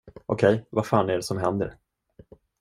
Okej, vad fan är det som händer?